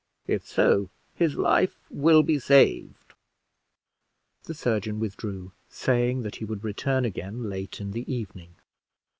If so, his life will be saved." The surgeon withdrew, saying that he would return again late in the evening.